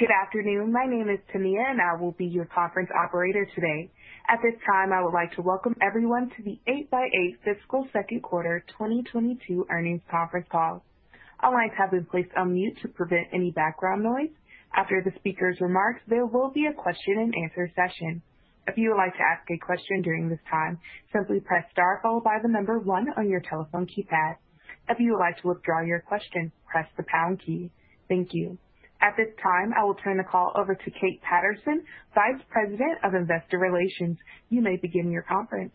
Good afternoon. My name is Tamara, and I will be your conference operator today. At this time, I would like to welcome everyone to the 8x8 Fiscal Second Quarter 2022 Earnings Conference Call. All lines have been placed on mute to prevent any background noise. After the speaker's remarks, there will be a question-and-answer session. If you would like to ask a question during this time, simply press star followed by the number one on your telephone keypad. If you would like to withdraw your question, press the pound key. Thank you. At this time, I will turn the call over to Kate Patterson, Vice President of Investor Relations. You may begin your conference.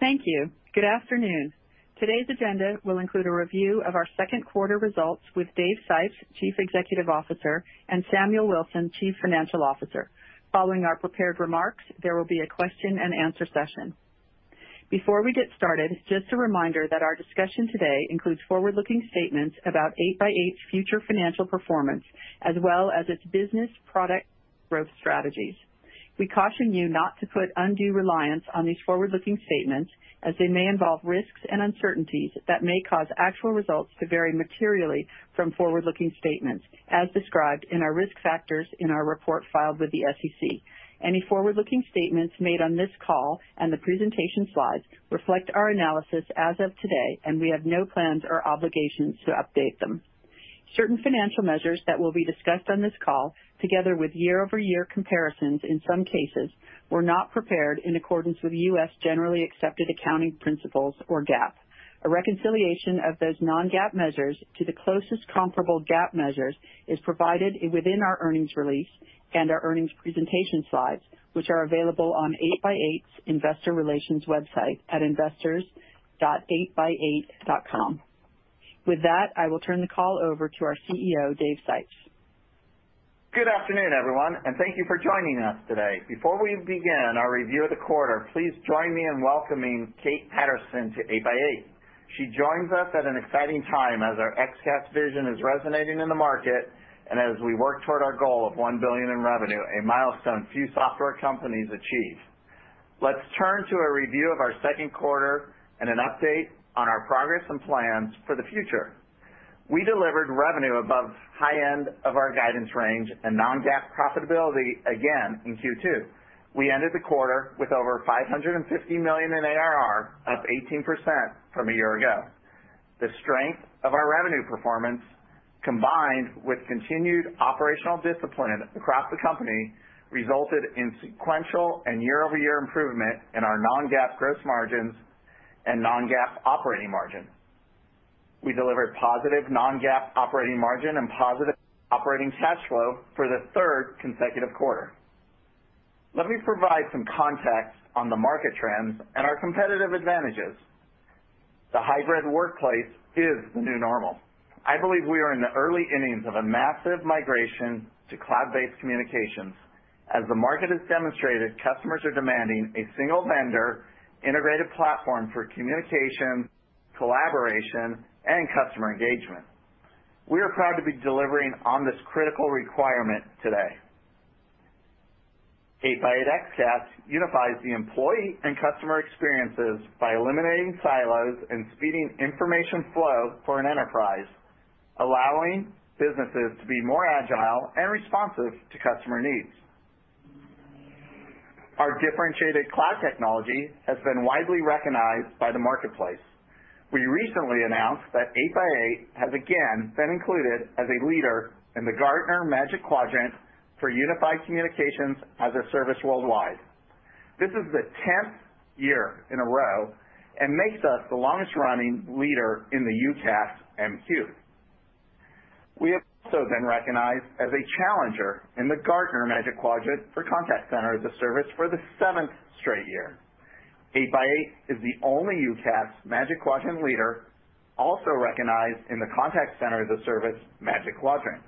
Thank you. Good afternoon. Today's agenda will include a review of our second quarter results with Dave Sipes, Chief Executive Officer, and Samuel Wilson, Chief Financial Officer. Following our prepared remarks, there will be a question-and-answer session. Before we get started, just a reminder that our discussion today includes forward-looking statements about 8x8's future financial performance, as well as its business product growth strategies. We caution you not to put undue reliance on these forward-looking statements as they may involve risks and uncertainties that may cause actual results to vary materially from forward-looking statements as described in our risk factors in our report filed with the SEC. Any forward-looking statements made on this call and the presentation slides reflect our analysis as of today, and we have no plans or obligations to update them. Certain financial measures that will be discussed on this call, together with year-over-year comparisons in some cases, were not prepared in accordance with U.S. generally accepted accounting principles or GAAP. A reconciliation of those non-GAAP measures to the closest comparable GAAP measures is provided within our earnings release and our earnings presentation slides, which are available on 8x8's investor relations website at investors.8x8.com. With that, I will turn the call over to our CEO, Dave Sipes. Good afternoon, everyone, and thank you for joining us today. Before we begin our review of the quarter, please join me in welcoming Kate Patterson to 8x8. She joins us at an exciting time as our XCaaS vision is resonating in the market and as we work toward our goal of $1 billion in revenue, a milestone few software companies achieve. Let's turn to a review of our second quarter and an update on our progress and plans for the future. We delivered revenue above high end of our guidance range and non-GAAP profitability again in Q2. We ended the quarter with over $550 million in ARR, up 18% from a year ago. The strength of our revenue performance, combined with continued operational discipline across the company, resulted in sequential and year-over-year improvement in our non-GAAP gross margins and non-GAAP operating margin. We delivered positive non-GAAP operating margin and positive operating cash flow for the third consecutive quarter. Let me provide some context on the market trends and our competitive advantages. The hybrid workplace is the new normal. I believe we are in the early innings of a massive migration to cloud-based communications. As the market has demonstrated, customers are demanding a single vendor integrated platform for communication, collaboration, and customer engagement. We are proud to be delivering on this critical requirement today. 8x8 XCaaS unifies the employee and customer experiences by eliminating silos and speeding information flow for an enterprise, allowing businesses to be more agile and responsive to customer needs. Our differentiated cloud technology has been widely recognized by the marketplace. We recently announced that 8x8 has, again, been included as a leader in the Gartner Magic Quadrant for Unified Communications as a Service worldwide. This is the 10th year in a row and makes us the longest-running leader in the UCaaS MQ. We have also been recognized as a challenger in the Gartner Magic Quadrant for Contact Center as a Service for the seventh straight year. 8x8 is the only UCaaS Magic Quadrant leader also recognized in the Contact Center as a Service Magic Quadrant.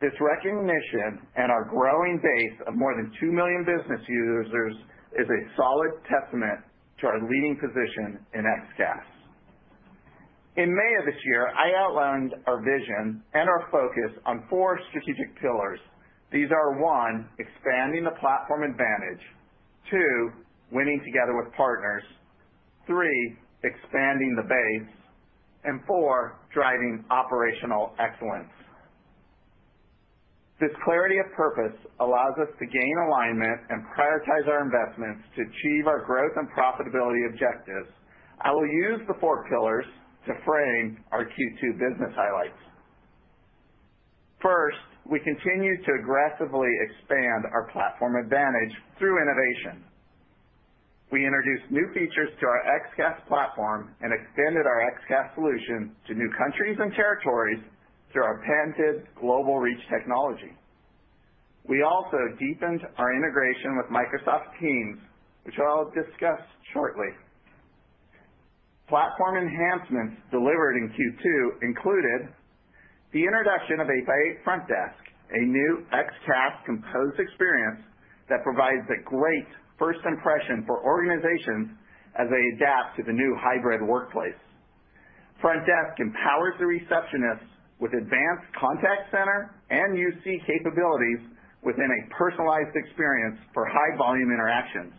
This recognition and our growing base of more than 2 million business users is a solid testament to our leading position in XCaaS. In May of this year, I outlined our vision and our focus on four strategic pillars. These are, one, expanding the platform advantage. Two, winning together with partners. Three, expanding the base. And four, driving operational excellence. This clarity of purpose allows us to gain alignment and prioritize our investments to achieve our growth and profitability objectives. I will use the four pillars to frame our Q2 business highlights. First, we continue to aggressively expand our platform advantage through innovation. We introduced new features to our XCaaS platform and expanded our XCaaS solution to new countries and territories through our patented global reach technology. We also deepened our integration with Microsoft Teams, which I'll discuss shortly. Platform enhancements delivered in Q2 included the introduction of 8x8 Frontdesk, a new XCaaS composed experience that provides a great first impression for organizations as they adapt to the new hybrid workplace. Frontdesk empowers the receptionists with advanced contact center and UC capabilities within a personalized experience for high volume interactions.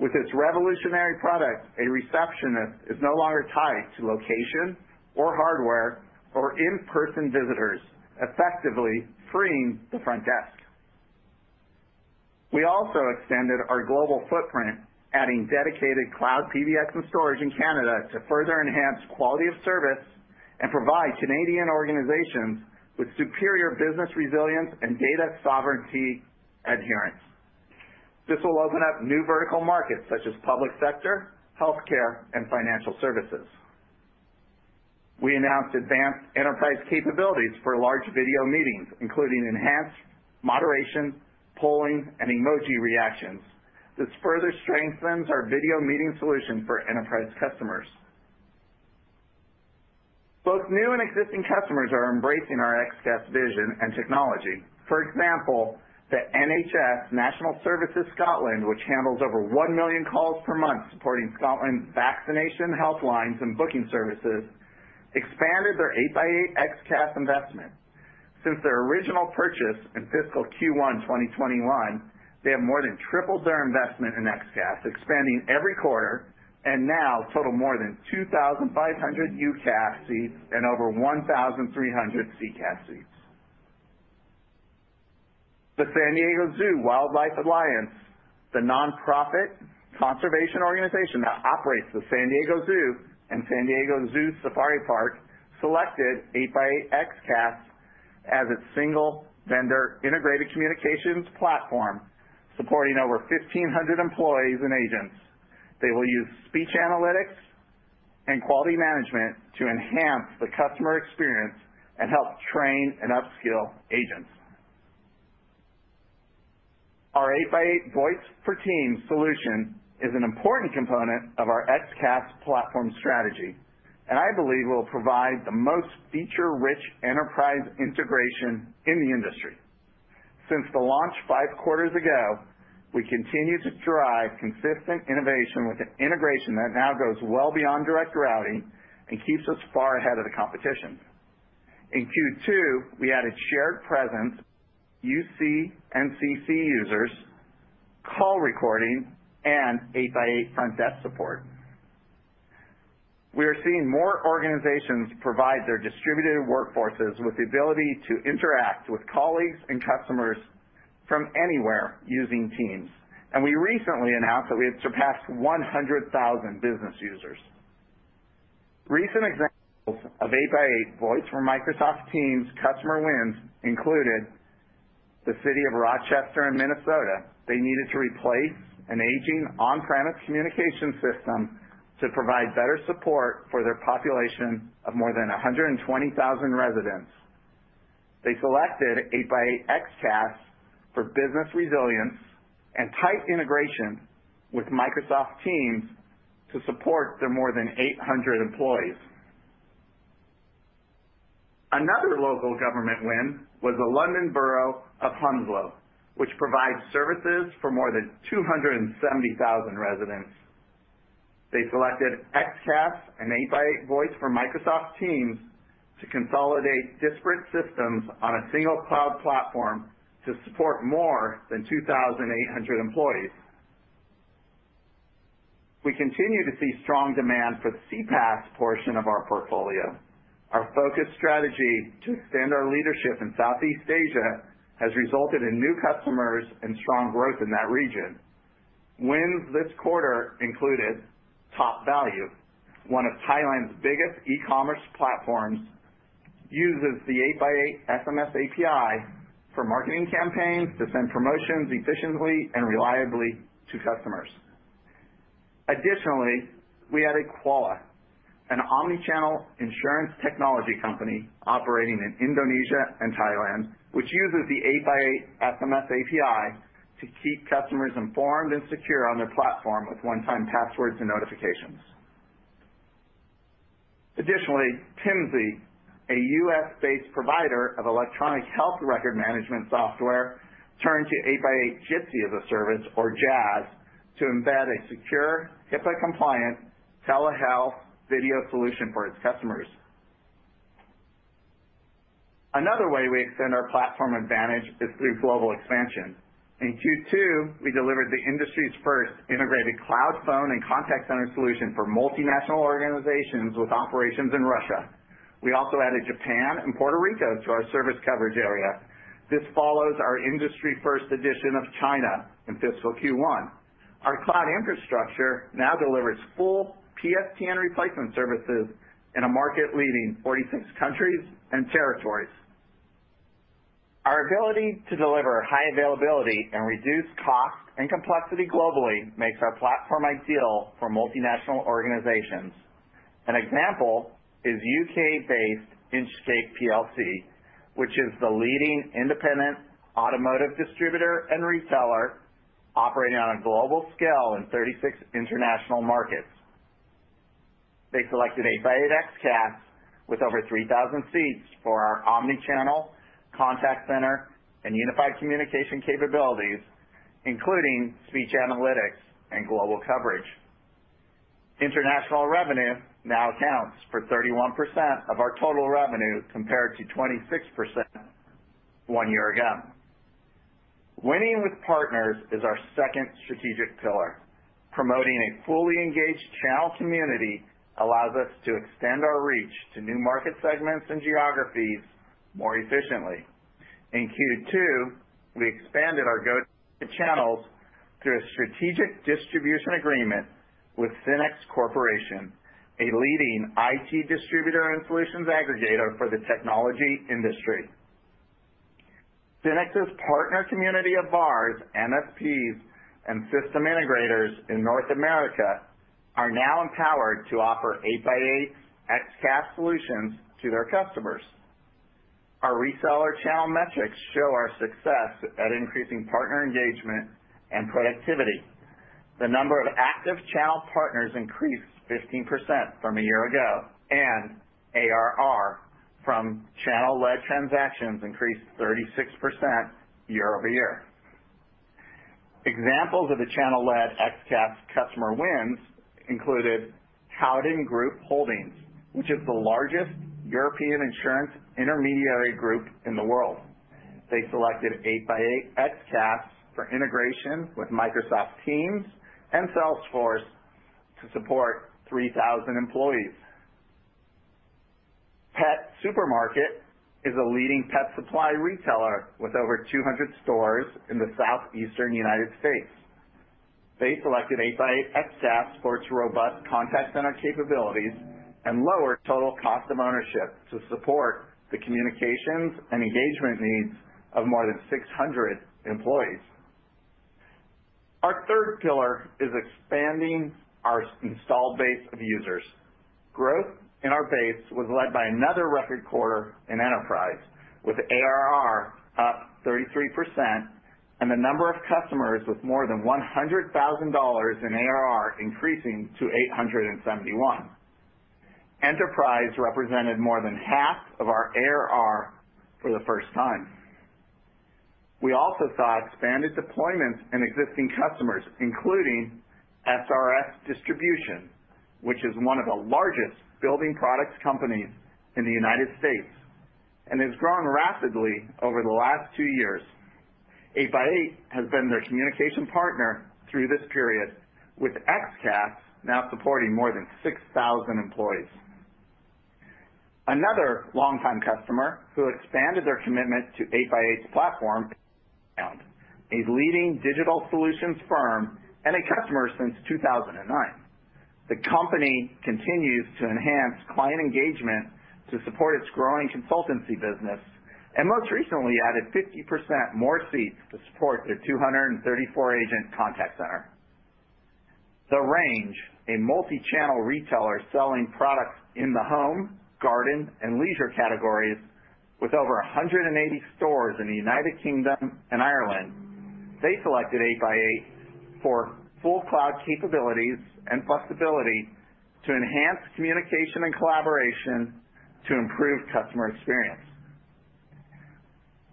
With this revolutionary product, a receptionist is no longer tied to location or hardware or in-person visitors, effectively freeing the front desk. We also extended our global footprint, adding dedicated cloud PBX and storage in Canada to further enhance quality of service and provide Canadian organizations with superior business resilience and data sovereignty adherence. This will open up new vertical markets such as public sector, healthcare, and financial services. We announced advanced enterprise capabilities for large video meetings, including enhanced moderation, polling, and emoji reactions. This further strengthens our video meeting solution for enterprise customers. Both new and existing customers are embracing our XCaaS vision and technology. For example, the NHS National Services Scotland, which handles over 1 million calls per month supporting Scotland's vaccination help lines and booking services, expanded their 8x8 XCaaS investment. Since their original purchase in fiscal Q1 2021, they have more than tripled their investment in XCaaS, expanding every quarter, and now total more than 2,500 UCaaS seats and over 1,300 CCaaS seats. The San Diego Zoo Wildlife Alliance, the nonprofit conservation organization that operates the San Diego Zoo and San Diego Zoo Safari Park, selected 8x8 XCaaS as its single vendor integrated communications platform, supporting over 1,500 employees and agents. They will use speech analytics and quality management to enhance the customer experience and help train and upskill agents. Our 8x8 Voice for Teams solution is an important component of our XCaaS platform strategy, and I believe will provide the most feature-rich enterprise integration in the industry. Since the launch five quarters ago, we continue to drive consistent innovation with an integration that now goes well beyond direct routing and keeps us far ahead of the competition. In Q2, we added shared presence, UC + CC users, call recording, and 8x8 Frontdesk support. We are seeing more organizations provide their distributed workforces with the ability to interact with colleagues and customers from anywhere using Teams, and we recently announced that we have surpassed 100,000 business users. Recent examples of 8x8 Voice for Microsoft Teams customer wins included the City of Rochester, Minnesota. They needed to replace an aging on-premises communication system to provide better support for their population of more than 120,000 residents. They selected 8x8 XCaaS for business resilience and tight integration with Microsoft Teams to support their more than 800 employees. Another local government win was the London Borough of Hounslow, which provides services for more than 270,000 residents. They selected XCaaS and 8x8 Voice for Microsoft Teams to consolidate disparate systems on a single cloud platform to support more than 2,800 employees. We continue to see strong demand for the CCaaS portion of our portfolio. Our focused strategy to extend our leadership in Southeast Asia has resulted in new customers and strong growth in that region. Wins this quarter included Topvalue, one of Thailand's biggest e-commerce platforms, which uses the 8x8 SMS API for marketing campaigns to send promotions efficiently and reliably to customers. Additionally, we added Qoala, an omnichannel insurance technology company operating in Indonesia and Thailand, which uses the 8x8 SMS API to keep customers informed and secure on their platform with one-time passwords and notifications. Additionally, TIMS, a U.S.-based provider of electronic health record management software, turned to 8x8 Jitsi as a Service, or JaaS, to embed a secure, HIPAA-compliant telehealth video solution for its customers. Another way we extend our platform advantage is through global expansion. In Q2, we delivered the industry's first integrated cloud phone and contact center solution for multinational organizations with operations in Russia. We also added Japan and Puerto Rico to our service coverage area. This follows our industry-first addition of China in fiscal Q1. Our cloud infrastructure now delivers full PSTN replacement services in a market-leading 46 countries and territories. Our ability to deliver high availability and reduce cost and complexity globally makes our platform ideal for multinational organizations. An example is U.K.-based Inchcape plc, which is the leading independent automotive distributor and reseller operating on a global scale in 36 international markets. They selected 8x8 XCaaS with over 3,000 seats for our omni-channel contact center and unified communication capabilities, including speech analytics and global coverage. International revenue now accounts for 31% of our total revenue compared to 26% one year ago. Winning with partners is our second strategic pillar. Promoting a fully engaged channel community allows us to extend our reach to new market segments and geographies more efficiently. In Q2, we expanded our go-to channels through a strategic distribution agreement with SYNNEX Corporation, a leading IT distributor and solutions aggregator for the technology industry. SYNNEX's partner community of VARs, MSPs, and system integrators in North America are now empowered to offer 8x8 XCaaS solutions to their customers. Our reseller channel metrics show our success at increasing partner engagement and productivity. The number of active channel partners increased 15% from a year ago, and ARR from channel-led transactions increased 36% year-over-year. Examples of the channel-led XCaaS customer wins included Howden Group Holdings, which is the largest European insurance intermediary group in the world. They selected 8x8 XCaaS for integration with Microsoft Teams and Salesforce to support 3,000 employees. Pet Supermarket is a leading pet supply retailer with over 200 stores in the southeastern United States. They selected 8x8 XCaaS for its robust contact center capabilities and lower total cost of ownership to support the communications and engagement needs of more than 600 employees. Our third pillar is expanding our installed base of users. Growth in our base was led by another record quarter in enterprise, with ARR up 33% and the number of customers with more than $100,000 in ARR increasing to 871. Enterprise represented more than half of our ARR for the first time. We also saw expanded deployments in existing customers, including SRS Distribution, which is one of the largest building products companies in the United States and has grown rapidly over the last two years. 8x8 has been their communication partner through this period, with XCaaS now supporting more than 6,000 employees. Another longtime customer who expanded their commitment to 8x8's platform is a leading digital solutions firm and a customer since 2009. The company continues to enhance client engagement to support its growing consultancy business and most recently added 50% more seats to support their 234-agent contact center. The Range, a multi-channel retailer selling products in the home, garden, and leisure categories with over 180 stores in the United Kingdom and Ireland. They selected 8x8 for full cloud capabilities and flexibility to enhance communication and collaboration to improve customer experience.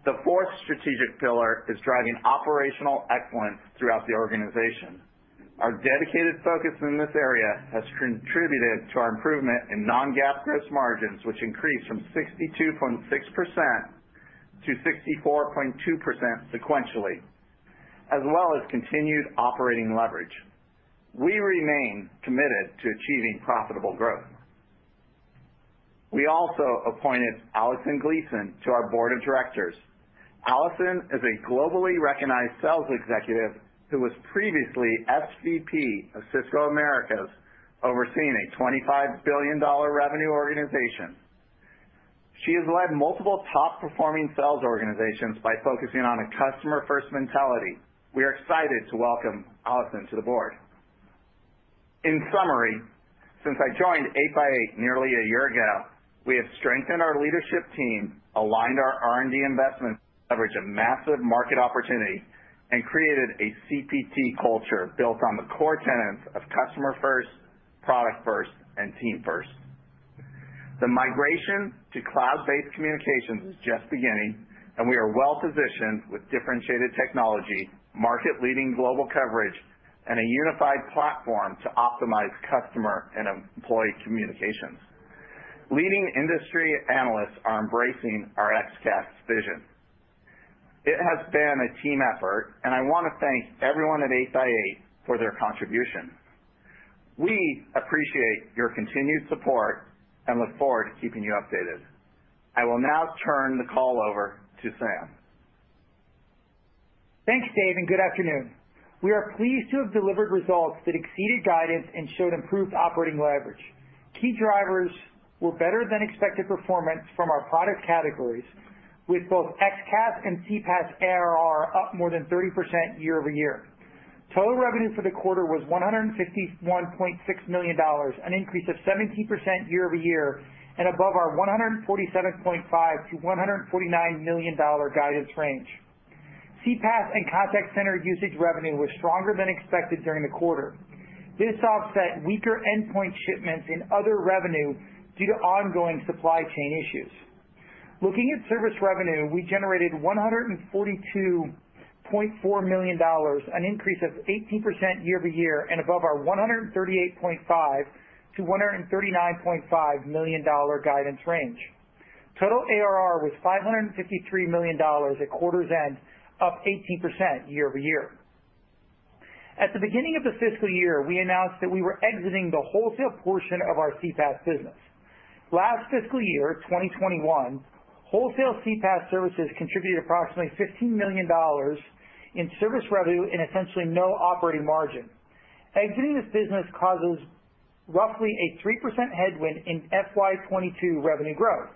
The fourth strategic pillar is driving operational excellence throughout the organization. Our dedicated focus in this area has contributed to our improvement in non-GAAP gross margins, which increased from 62.6% to 64.2% sequentially, as well as continued operating leverage. We remain committed to achieving profitable growth. We also appointed Alison Gleeson to our board of directors. Alison is a globally recognized sales executive who was previously SVP of Cisco Americas, overseeing a $25 billion revenue organization. She has led multiple top-performing sales organizations by focusing on a customer-first mentality. We are excited to welcome Alison to the board. In summary, since I joined 8x8 nearly a year ago, we have strengthened our leadership team, aligned our R&D investments to leverage a massive market opportunity, and created a CPT culture built on the core tenets of customer first, product first, and team first. The migration to cloud-based communications is just beginning, and we are well positioned with differentiated technology, market-leading global coverage, and a unified platform to optimize customer and employee communications. Leading industry analysts are embracing our XCaaS vision. It has been a team effort, and I want to thank everyone at 8x8 for their contribution. We appreciate your continued support and look forward to keeping you updated. I will now turn the call over to Sam. Thanks, Dave, and good afternoon. We are pleased to have delivered results that exceeded guidance and showed improved operating leverage. Key drivers were better than expected performance from our product categories with both XCaaS and CPaaS ARR up more than 30% year-over-year. Total revenue for the quarter was $151.6 million, an increase of 17% year-over-year and above our $147.5 million-$149 million guidance range. CPaaS and contact center usage revenue was stronger than expected during the quarter. This offset weaker endpoint shipments in other revenue due to ongoing supply chain issues. Looking at service revenue, we generated $142.4 million, an increase of 18% year-over-year and above our $138.5-$139.5 million guidance range. Total ARR was $553 million at quarter's end, up 18% year-over-year. At the beginning of the fiscal year, we announced that we were exiting the wholesale portion of our CPaaS business. Last fiscal year, 2021, wholesale CPaaS services contributed approximately $15 million in service revenue and essentially no operating margin. Exiting this business causes roughly a 3% headwind in FY 2022 revenue growth.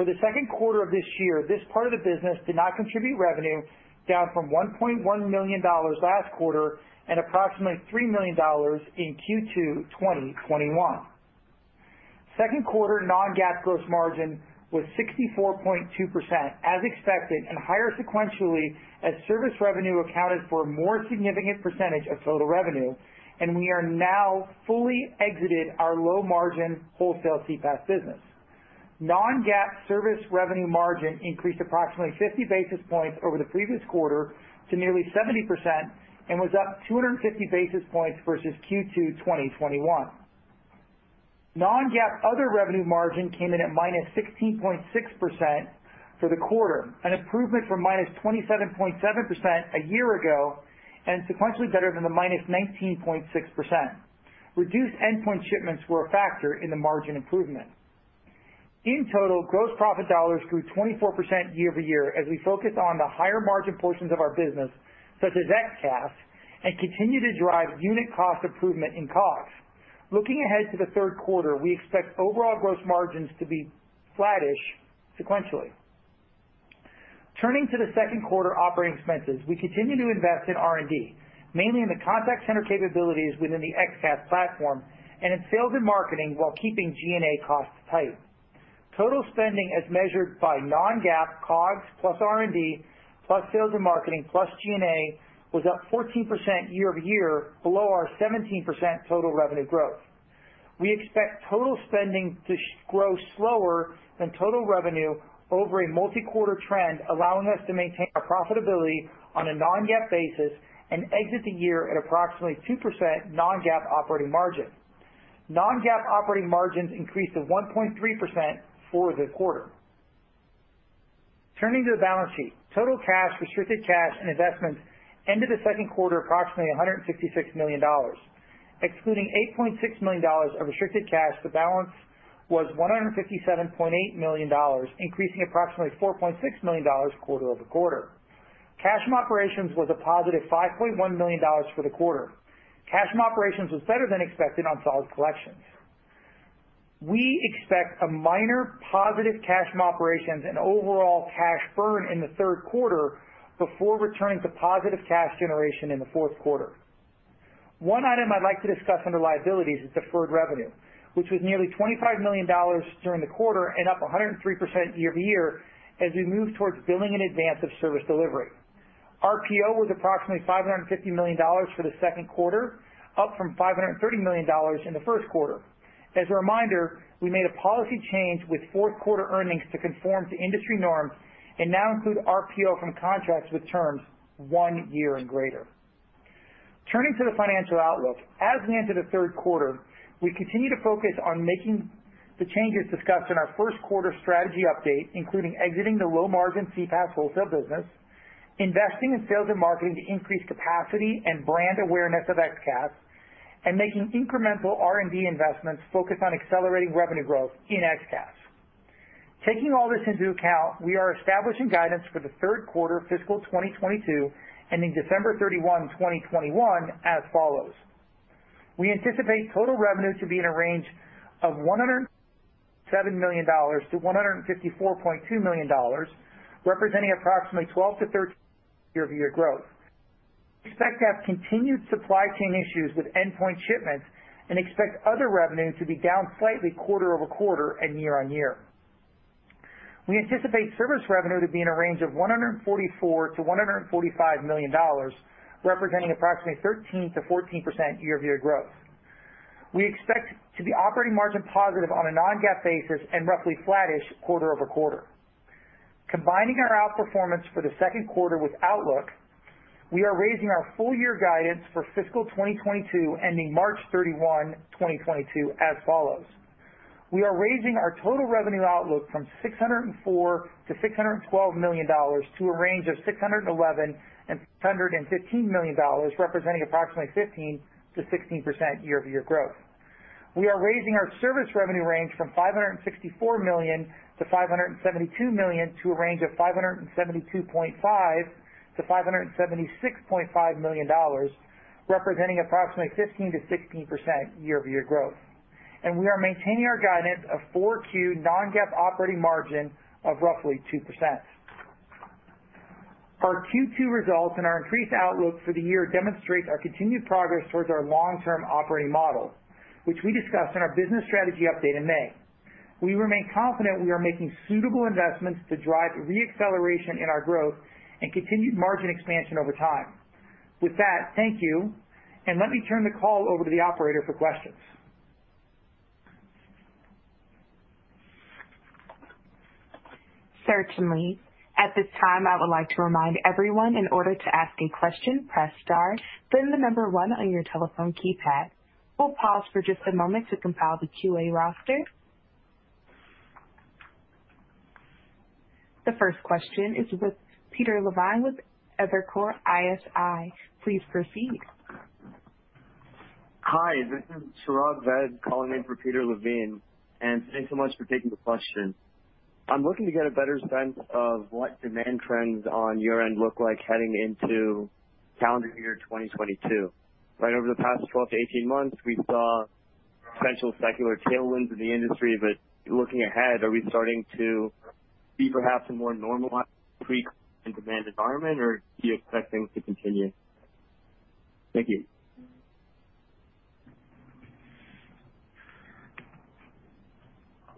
For the second quarter of this year, this part of the business did not contribute revenue, down from $1.1 million last quarter and approximately $3 million in Q2 2021. Second quarter non-GAAP gross margin was 64.2% as expected and higher sequentially as service revenue accounted for a more significant percentage of total revenue, and we are now fully exited our low-margin wholesale CPaaS business. Non-GAAP service revenue margin increased approximately 50 basis points over the previous quarter to nearly 70% and was up 250 basis points versus Q2 2021. Non-GAAP other revenue margin came in at -16.6% for the quarter, an improvement from -27.7% a year ago and sequentially better than the -19.6%. Reduced endpoint shipments were a factor in the margin improvement. In total, gross profit dollars grew 24% year-over-year as we focus on the higher margin portions of our business, such as XCaaS, and continue to drive unit cost improvement in costs. Looking ahead to the third quarter, we expect overall gross margins to be flattish sequentially. Turning to the second quarter operating expenses, we continue to invest in R&D, mainly in the contact center capabilities within the XCaaS platform and in sales and marketing while keeping G&A costs tight. Total spending as measured by non-GAAP COGS, plus R&D, plus sales and marketing, plus G&A was up 14% year-over-year, below our 17% total revenue growth. We expect total spending to grow slower than total revenue over a multi-quarter trend, allowing us to maintain our profitability on a non-GAAP basis and exit the year at approximately 2% non-GAAP operating margin. Non-GAAP operating margins increased to 1.3% for the quarter. Turning to the balance sheet. Total cash, restricted cash, and investments ended the second quarter approximately $156 million. Excluding $8.6 million of restricted cash, the balance was $157.8 million, increasing approximately $4.6 million quarter-over-quarter. Cash from operations was a positive $5.1 million for the quarter. Cash from operations was better than expected on solid collections. We expect a minor positive cash from operations and overall cash burn in the third quarter before returning to positive cash generation in the fourth quarter. One item I'd like to discuss under liabilities is deferred revenue, which was nearly $25 million during the quarter and up 103% year-over-year as we move towards billing in advance of service delivery. RPO was approximately $550 million for the second quarter, up from $530 million in the first quarter. As a reminder, we made a policy change with fourth quarter earnings to conform to industry norms and now include RPO from contracts with terms one year and greater. Turning to the financial outlook. As we enter the third quarter, we continue to focus on making the changes discussed in our first quarter strategy update, including exiting the low-margin CPaaS wholesale business, investing in sales and marketing to increase capacity and brand awareness of XCaaS, and making incremental R&D investments focused on accelerating revenue growth in XCaaS. Taking all this into account, we are establishing guidance for the third quarter of fiscal 2022, ending December 31, 2021 as follows: We anticipate total revenue to be in a range of $107 million-$154.2 million, representing approximately 12%-13% year-over-year growth. We expect to have continued supply chain issues with endpoint shipments and expect other revenue to be down slightly quarter-over-quarter and year-over-year. We anticipate service revenue to be in a range of $144 million-$145 million, representing approximately 13%-14% year-over-year growth. We expect to be operating margin positive on a non-GAAP basis and roughly flattish quarter-over-quarter. Combining our outperformance for the second quarter with outlook, we are raising our full year guidance for fiscal 2022, ending March 31, 2022 as follows. We are raising our total revenue outlook from $604 million-$612 million to a range of $611 million-$615 million, representing approximately 15%-16% year-over-year growth. We are raising our service revenue range from $564 million-$572 million to a range of $572.5 million-$576.5 million, representing approximately 15%-16% year-over-year growth. We are maintaining our guidance of Q4 non-GAAP operating margin of roughly 2%. Our Q2 results and our increased outlook for the year demonstrate our continued progress towards our long-term operating model, which we discussed in our business strategy update in May. We remain confident we are making suitable investments to drive re-acceleration in our growth and continued margin expansion over time. With that, thank you, and let me turn the call over to the operator for questions. Certainly. At this time, I would like to remind everyone in order to ask a question, press star, then the number one on your telephone keypad. We'll pause for just a moment to compile the Q&A roster. The first question is with Peter Levine with Evercore ISI. Please proceed. Hi, this is Chirag Ved calling in for Peter Levine, and thanks so much for taking the question. I'm looking to get a better sense of what demand trends on your end look like heading into calendar year 2022. Right over the past 12-18 months, we saw potential secular tailwinds in the industry. Looking ahead, are we starting to see perhaps a more normalized pre-COVID demand environment, or do you expect things to continue? Thank you.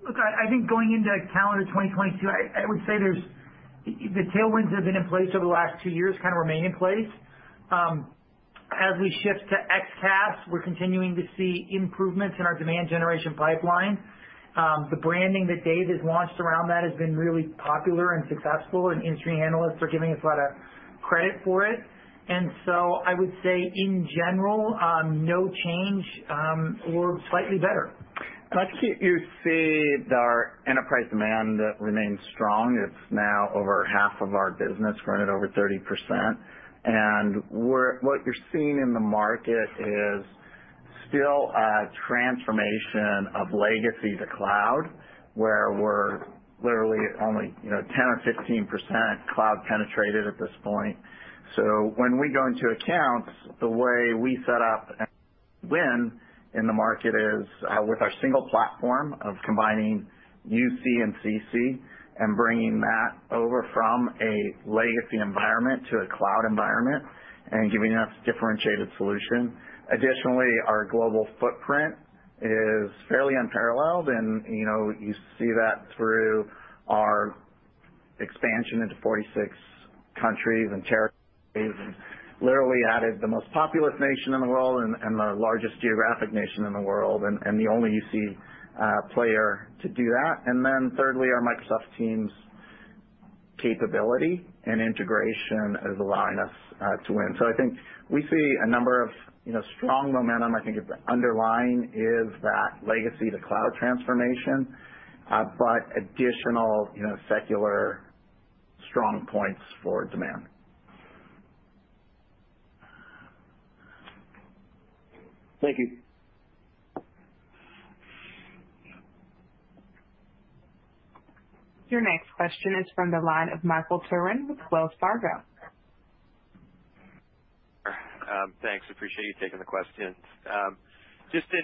Look, I think going into calendar 2022, I would say there's the tailwinds have been in place over the last two years kind of remain in place. As we shift to XCaaS, we're continuing to see improvements in our demand generation pipeline. The branding that Dave has launched around that has been really popular and successful, and industry analysts are giving us a lot of credit for it. I would say in general, no change, or slightly better. You can see that our enterprise demand remains strong. It's now over half of our business, growing at over 30%. What you're seeing in the market is still a transformation of legacy to cloud, where we're literally only, you know, 10% or 15% cloud penetrated at this point. When we go into accounts, the way we set up and win in the market is with our single platform of combining UC + CC and bringing that over from a legacy environment to a cloud environment and giving us differentiated solution. Additionally, our global footprint is fairly unparalleled, and, you know, you see that through our expansion into 46 countries and territories and literally added the most populous nation in the world and the only UC player to do that. Thirdly, our Microsoft Teams capability and integration is allowing us to win. I think we see a number of, you know, strong momentum. I think that the underlying is that legacy to cloud transformation, but additional, you know, secular strong points for demand. Thank you. Your next question is from the line of Michael Turrin with Wells Fargo. Thanks, I appreciate you taking the question. Just the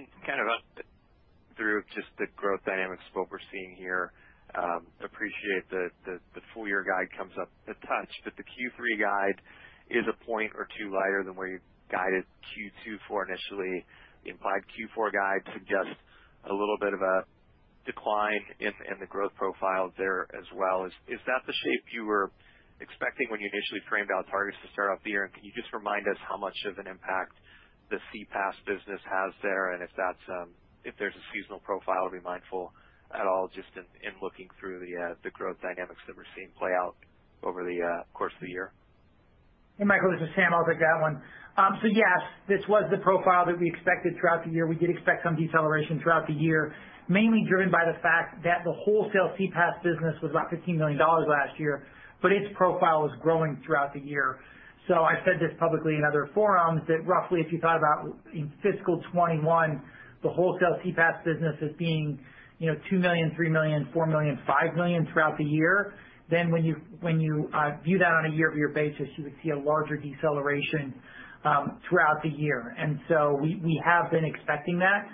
growth dynamics of what we're seeing here, I appreciate that the full year guide comes up a touch, but the Q3 guide is a point or two lighter than where you guided for Q2 initially. Implied Q4 guide suggests a little bit of a decline in the growth profile there as well. Is that the shape you were expecting when you initially framed out targets to start off the year? Can you just remind us how much of an impact the CPaaS business has there? If there's a seasonal profile to be mindful of at all just in looking through the growth dynamics that we're seeing play out over the course of the year. Hey, Michael, this is Sam. I'll take that one. Yes, this was the profile that we expected throughout the year. We did expect some deceleration throughout the year, mainly driven by the fact that the wholesale CPaaS business was about $15 million last year, but its profile was growing throughout the year. I said this publicly in other forums, that roughly if you thought about in fiscal 2021, the wholesale CPaaS business as being, you know, $2 million, $3 million, $4 million, $5 million throughout the year, then when you view that on a year-over-year basis, you would see a larger deceleration throughout the year. We have been expecting that.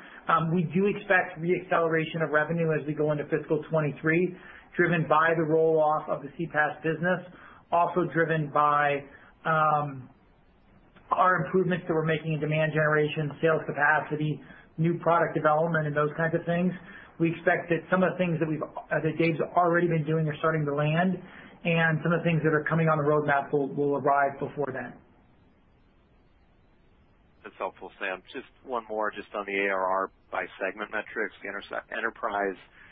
We do expect re-acceleration of revenue as we go into fiscal 2023, driven by the roll-off of the CPaaS business, also driven by our improvements that we're making in demand generation, sales capacity, new product development, and those kinds of things. We expect that some of the things that Dave's already been doing are starting to land, and some of the things that are coming on the roadmap will arrive before then. That's helpful, Sam. Just one more on the ARR by segment metrics. The enterprise ARR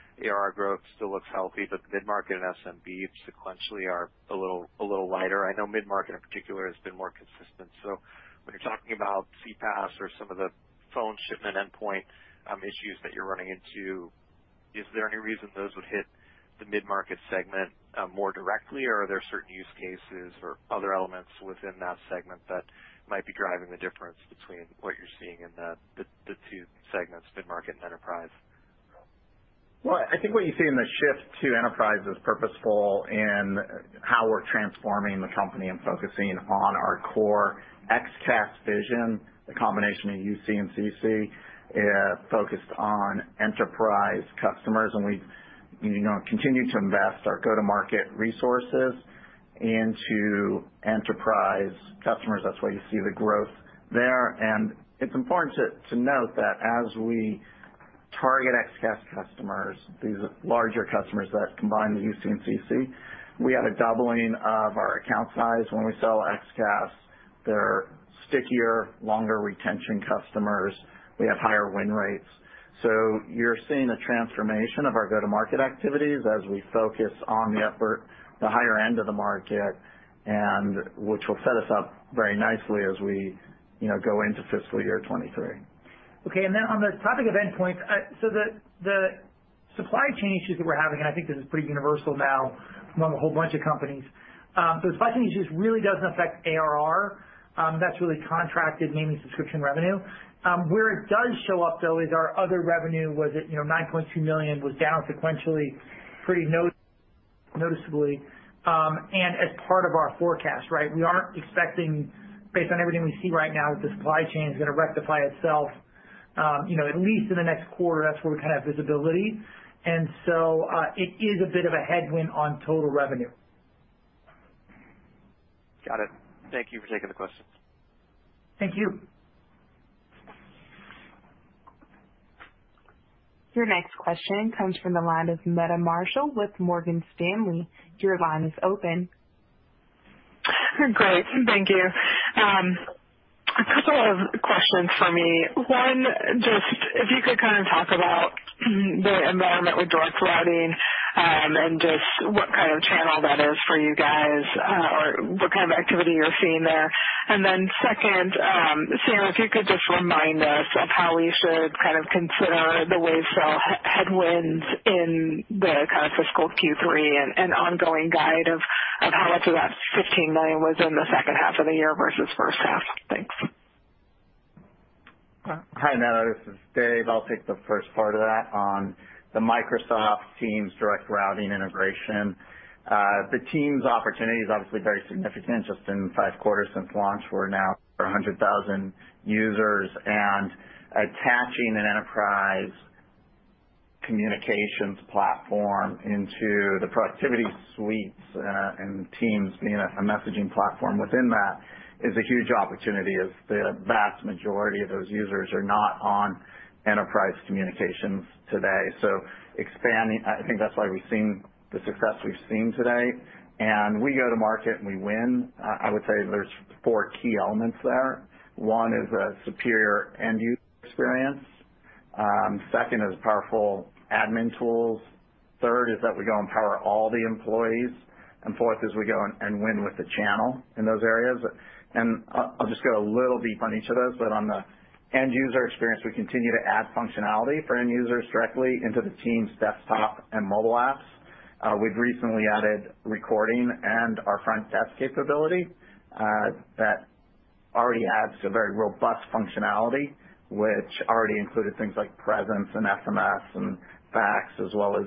growth still looks healthy, but the mid-market and SMB sequentially are a little lighter. I know mid-market in particular has been more consistent. When you're talking about CPaaS or some of the phone shipment endpoint issues that you're running into, is there any reason those would hit the mid-market segment more directly, or are there certain use cases or other elements within that segment that might be driving the difference between what you're seeing in the two segments, mid-market and enterprise? Well, I think what you see in the shift to enterprise is purposeful in how we're transforming the company and focusing on our core XCaaS vision, the combination of UC + CC, focused on enterprise customers. We've, you know, continued to invest our go-to-market resources into enterprise customers. That's why you see the growth there. It's important to note that as we target XCaaS customers, these larger customers that combine the UC + CC, we have a doubling of our account size when we sell XCaaS. They're stickier, longer retention customers. We have higher win rates. You're seeing a transformation of our go-to-market activities as we focus on the higher end of the market, and which will set us up very nicely as we, you know, go into fiscal year 2023. Okay. On the topic of endpoint, the supply chain issues that we're having, and I think this is pretty universal now among a whole bunch of companies. The supply chain issues really doesn't affect ARR. That's really contracted, namely subscription revenue. Where it does show up, though, is our other revenue, you know, $9.2 million was down sequentially pretty noticeably, and as part of our forecast, right? We aren't expecting based on everything we see right now, the supply chain is gonna rectify itself, you know, at least in the next quarter. That's where we kinda have visibility. It is a bit of a headwind on total revenue. Got it. Thank you for taking the questions. Thank you. Your next question comes from the line of Meta Marshall with Morgan Stanley. Your line is open. Great. Thank you. A couple of questions for me. One, just if you could kinda talk about the environment with direct routing, and just what kind of channel that is for you guys, or what kind of activity you're seeing there. Then second, Samuel Wilson, if you could just remind us of how we should kind of consider the Wavecell headwinds in the kind of fiscal Q3 and ongoing guide of how much of that $15 million was in the second half of the year versus first half. Thanks. Hi, Meta. This is Dave. I'll take the first part of that on the Microsoft Teams direct routing integration. The Teams opportunity is obviously very significant. Just in five quarters since launch, we're now over 100,000 users. Attaching an enterprise communications platform into the productivity suites, and Teams being a messaging platform within that is a huge opportunity, as the vast majority of those users are not on enterprise communications today. Expanding, I think that's why we've seen the success we've seen today. We go to market, and we win. I would say there's four key elements there. One is a superior end-user experience. Second is powerful admin tools. Third is that we empower all the employees. Fourth is we go and win with the channel in those areas. I'll just go a little deep on each of those. On the end-user experience, we continue to add functionality for end users directly into the Teams desktop and mobile apps. We've recently added recording and our 8x8 Frontdesk capability, that already adds to a very robust functionality, which already included things like presence and SMS and fax as well as,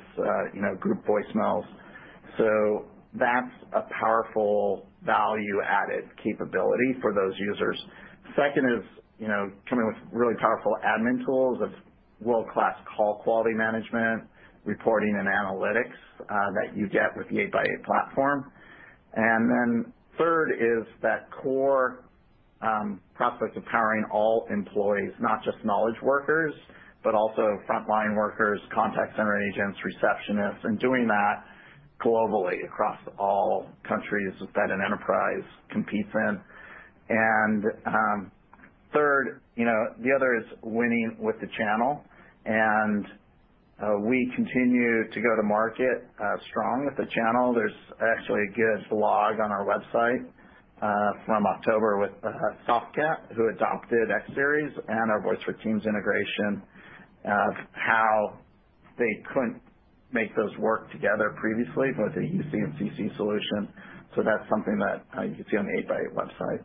you know, group voicemails. That's a powerful value-added capability for those users. Second is, you know, coming with really powerful admin tools of world-class call quality management, reporting and analytics, that you get with the 8x8 platform. Then third is that core process of powering all employees, not just knowledge workers, but also frontline workers, contact center agents, receptionists, and doing that globally across all countries that an enterprise competes in. Third, you know, the other is winning with the channel. We continue to go to market strong with the channel. There's actually a good blog on our website from October with Softcat, who adopted X Series and our Voice for Teams integration of how they couldn't make those work together previously with a UC + CC solution. That's something that you can see on the 8x8 website.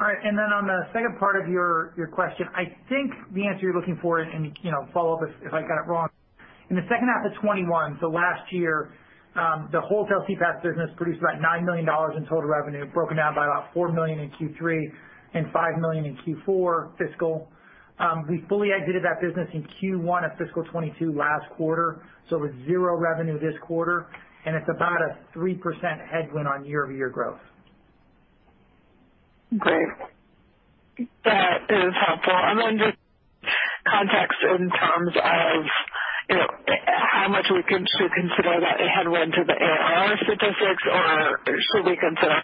All right. On the second part of your question, I think the answer you're looking for, you know, follow up if I got it wrong. In the second half of 2021, so last year, the wholesale CPaaS business produced about $9 million in total revenue, broken down by about $4 million in Q3 and $5 million in Q4 fiscal. We fully exited that business in Q1 of fiscal 2022 last quarter, so it was 0 revenue this quarter. It's about a 3% headwind on year-over-year growth. Great. That is helpful. Just context in terms of, you know, how much we should consider that a headwind to the ARR statistics or should we consider,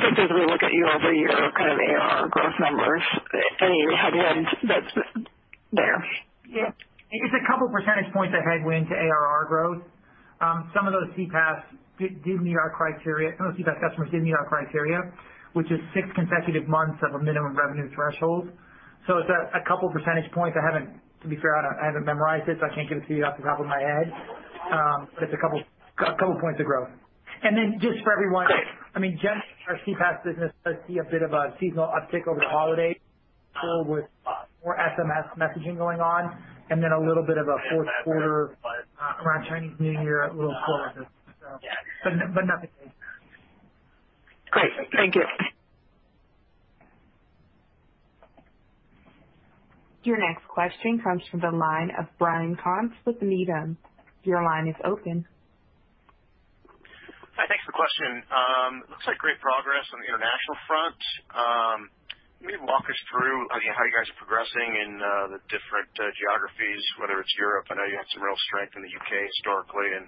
just as we look at year-over-year kind of ARR growth numbers, any headwind that's there? Yeah. It's a couple percentage points of headwind to ARR growth. Some of those CPaaS did meet our criteria, those CPaaS customers did meet our criteria, which is six consecutive months of a minimum revenue threshold. It's a couple percentage points. To be fair, I haven't memorized it, so I can't give it to you off the top of my head. It's a couple points of growth. Just for everyone, I mean, generally our CPaaS business does see a bit of a seasonal uptick over the holidays with more SMS messaging going on and then a little bit of a fourth quarter around Chinese New Year, a little quarter. Nothing major. Great. Thank you. Your next question comes from the line of Ryan Koontz with Needham. Your line is open. Hi. Thanks for the question. Looks like great progress on the international front. Can you walk us through, again, how you guys are progressing in the different geographies, whether it's Europe, I know you had some real strength in the U.K. historically, and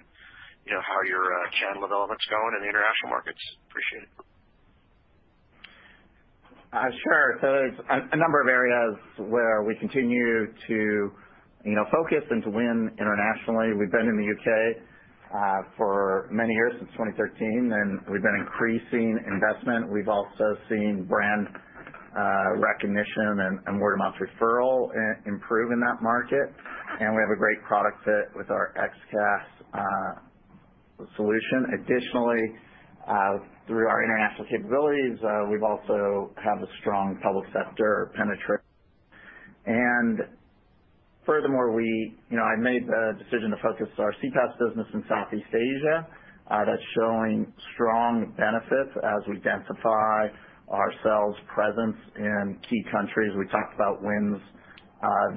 you know, how your channel development's going in the international markets. Appreciate it. Sure. It's a number of areas where we continue to, you know, focus and to win internationally. We've been in the U.K. for many years, since 2013, and we've been increasing investment. We've also seen brand recognition and word-of-mouth referral improve in that market. We have a great product fit with our XCaaS solution. Additionally, through our international capabilities, we have a strong public sector penetration. Furthermore, we, you know, I made the decision to focus our CPaaS business in Southeast Asia. That's showing strong benefits as we densify our sales presence in key countries. We talked about wins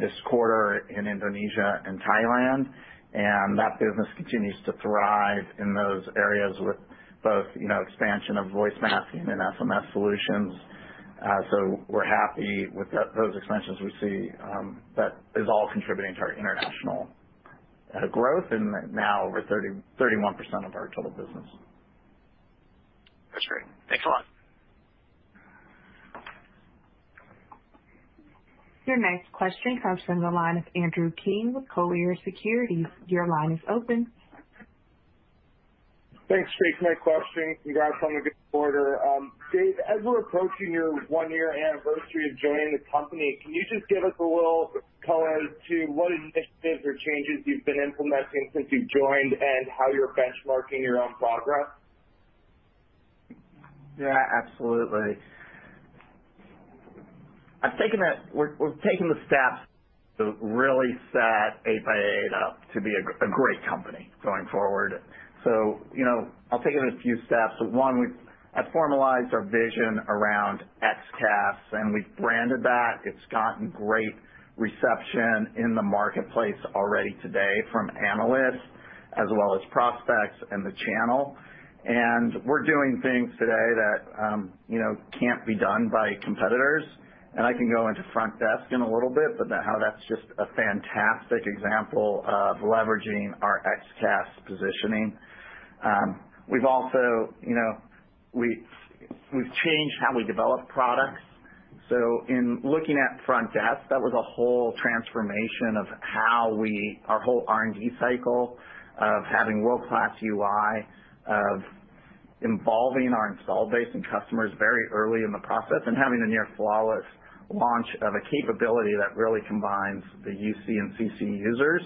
this quarter in Indonesia and Thailand, and that business continues to thrive in those areas with both, you know, expansion of voice masking and SMS solutions. We're happy with those expansions we see, that is all contributing to our international growth and now over 31% of our total business. That's great. Thanks a lot. Your next question comes from the line of Andrew King with Colliers Securities. Your line is open. Thanks. Great. My question. Congrats on the good quarter. Dave, as we're approaching your one-year anniversary of joining the company, can you just give us a little color to what initiatives or changes you've been implementing since you joined and how you're benchmarking your own progress? Yeah, absolutely. We're taking the steps to really set 8x8 up to be a great company going forward. You know, I'll take it in a few steps. One, I've formalized our vision around XCaaS and we've branded that. It's gotten great reception in the marketplace already today from analysts as well as prospects and the channel. We're doing things today that, you know, can't be done by competitors. I can go into Frontdesk in a little bit, but that's how that's just a fantastic example of leveraging our XCaaS positioning. We've also, you know, we've changed how we develop products. In looking at Frontdesk, that was a whole transformation of how we, our whole R&D cycle of having world-class UI, of involving our install base and customers very early in the process, and having a near flawless launch of a capability that really combines the UC + CC users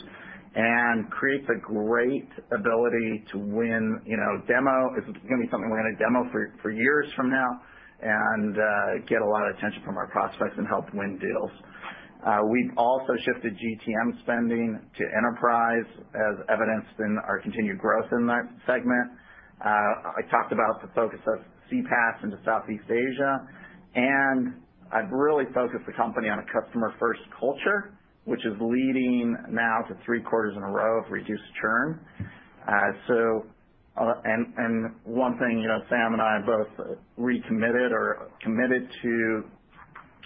and creates a great ability to win, you know, demo. This is gonna be something we're gonna demo for years from now and get a lot of attention from our prospects and help win deals. We've also shifted GTM spending to enterprise, as evidenced in our continued growth in that segment. I talked about the focus of CPaaS into Southeast Asia, and I've really focused the company on a customer-first culture, which is leading now to three quarters in a row of reduced churn. One thing, you know, Sam and I both recommitted or committed to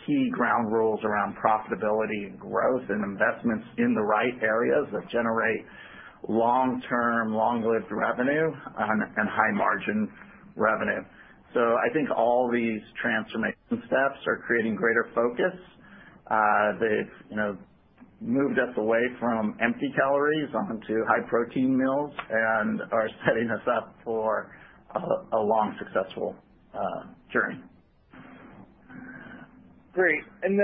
key ground rules around profitability and growth and investments in the right areas that generate long-term, long-lived revenue, and high-margin revenue. I think all these transformation steps are creating greater focus. They've, you know, moved us away from empty calories onto high-protein meals and are setting us up for a long, successful journey. Great. Don,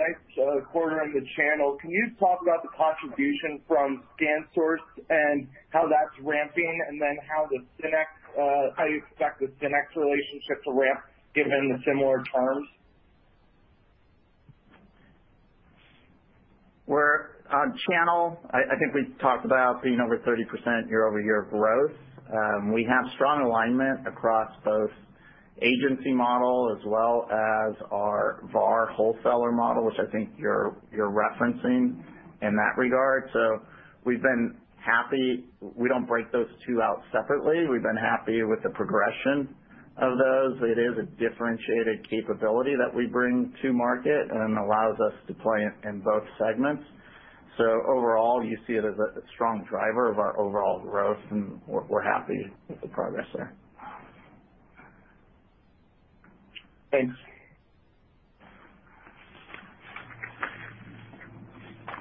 nice quarter on the channel. Can you talk about the contribution from ScanSource and how that's ramping, and then how the SYNNEX, how you expect the SYNNEX relationship to ramp given the similar terms? We're on channel. I think we've talked about being over 30% year-over-year growth. We have strong alignment across both agency model as well as our VAR wholesaler model, which I think you're referencing in that regard. We've been happy. We don't break those two out separately. We've been happy with the progression of those. It is a differentiated capability that we bring to market and allows us to play in both segments. Overall, you see it as a strong driver of our overall growth, and we're happy with the progress there. Thanks.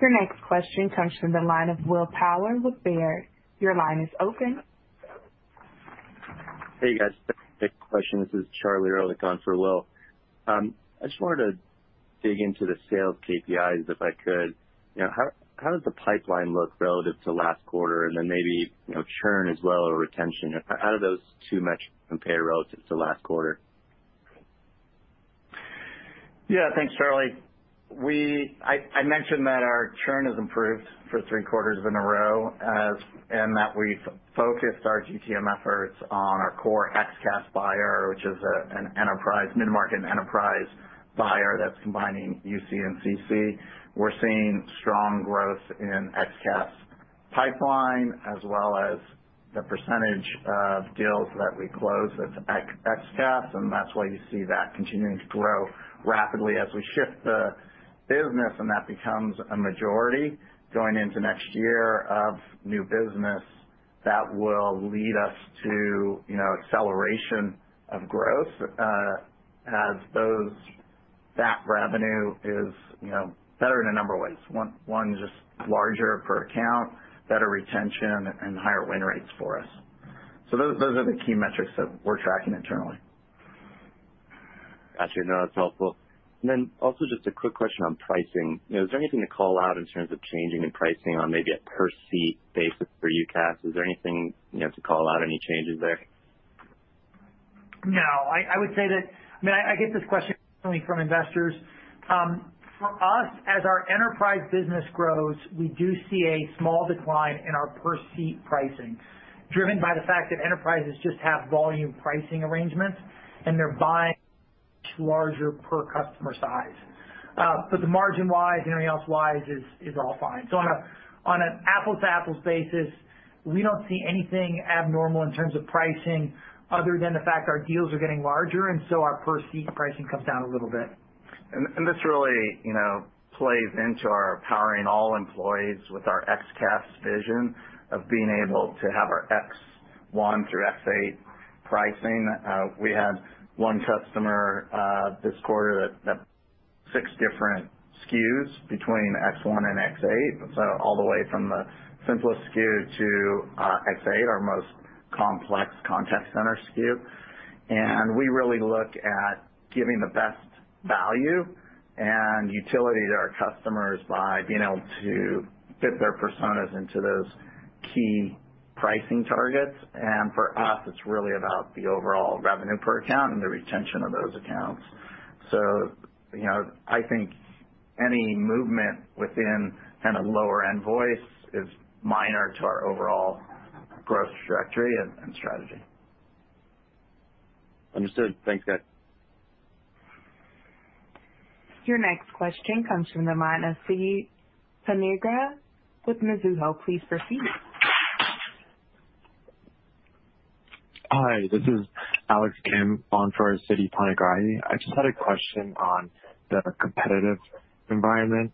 Your next question comes from the line of William Power with Baird. Your line is open. Hey, guys. Quick question. This is Charlie calling in for Will. I just wanted to dig into the sales KPIs, if I could. You know, how does the pipeline look relative to last quarter and then maybe, you know, churn as well, or retention. How do those two metrics compare relative to last quarter? Yeah. Thanks, Charlie. I mentioned that our churn has improved for three quarters in a row and that we've focused our GTM efforts on our core XCaaS buyer, which is an enterprise, mid-market enterprise buyer that's combining UC + CC. We're seeing strong growth in XCaaS pipeline as well as the percentage of deals that we close with XCaaS, and that's why you see that continuing to grow rapidly as we shift the business. That becomes a majority going into next year of new business that will lead us to, you know, acceleration of growth, that revenue is, you know, better in a number of ways. One, just larger per account, better retention and higher win rates for us. Those are the key metrics that we're tracking internally. Got you. No, that's helpful. Also just a quick question on pricing. You know, is there anything to call out in terms of changing in pricing on maybe a per seat basis for UCaaS? Is there anything, you know, to call out any changes there? No, I would say that I mean, I get this question constantly from investors. For us, as our enterprise business grows, we do see a small decline in our per seat pricing, driven by the fact that enterprises just have volume pricing arrangements, and they're buying much larger per customer size. But the margin-wise, everything else-wise is all fine. On an apples-to-apples basis, we don't see anything abnormal in terms of pricing other than the fact our deals are getting larger, and so our per seat pricing comes down a little bit. This really, you know, plays into our powering all employees with our XCaaS vision of being able to have our X one through X eight pricing. We had one customer this quarter that had six different SKUs between X one and X eight. All the way from the simplest SKU to X eight, our most complex contact center SKU. We really look at giving the best value and utility to our customers by being able to fit their personas into those key pricing targets. For us, it's really about the overall revenue per account and the retention of those accounts. You know, I think any movement within kind of lower end voice is minor to our overall growth trajectory and strategy. Understood. Thanks, guys. Your next question comes from the line of Siti Panigrahi with Mizuho. Please proceed. Hi, this is Alex Kim on for Siti Panigrahi. I just had a question on the competitive environment.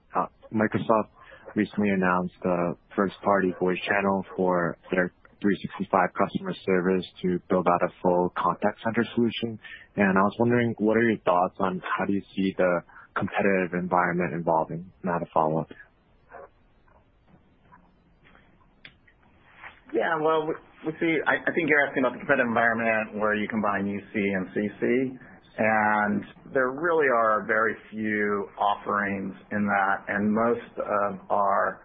Microsoft recently announced a first party voice channel for their 365 customer service to build out a full contact center solution. I was wondering, what are your thoughts on how do you see the competitive environment evolving? I have a follow-up. Yeah, well, I think you're asking about the competitive environment where you combine UC + CC, and there really are very few offerings in that. Most of our,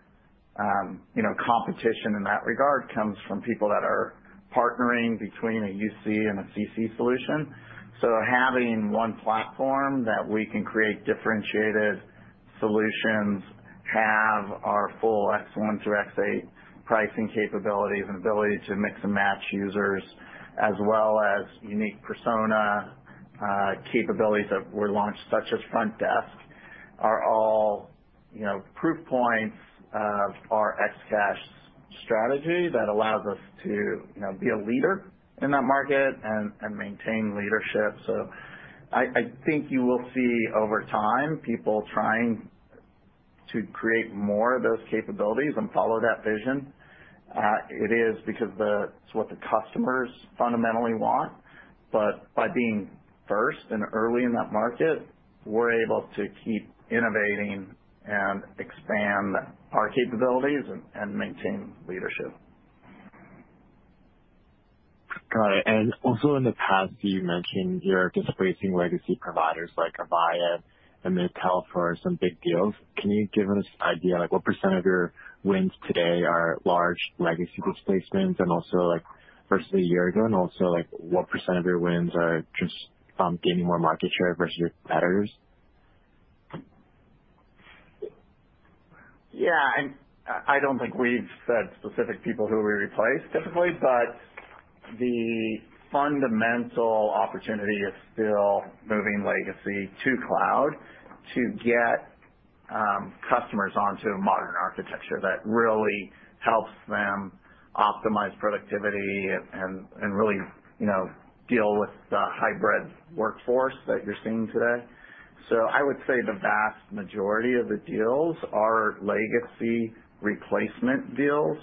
you know, competition in that regard comes from people that are partnering between a UC and a CC solution. Having one platform that we can create differentiated solutions, have our full X one through X eight pricing capabilities and ability to mix and match users, as well as unique persona capabilities that we launched, such as Front Desk, are all, you know, proof points of our XCaaS strategy that allows us to, you know, be a leader in that market and maintain leadership. I think you will see over time people trying to create more of those capabilities and follow that vision. It is because it's what the customers fundamentally want. By being first and early in that market, we're able to keep innovating and expand our capabilities and maintain leadership. Got it. Also in the past, you mentioned you're displacing legacy providers like Avaya and Mitel for some big deals. Can you give us an idea like what percent of your wins today are large legacy displacements and also like versus a year ago? Also like what percent of your wins are just gaining more market share versus your competitors? Yeah, I don't think we've said specific people who we replaced typically, but the fundamental opportunity is still moving legacy to cloud to get customers onto a modern architecture that really helps them optimize productivity and really, you know, deal with the hybrid workforce that you're seeing today. I would say the vast majority of the deals are legacy replacement deals.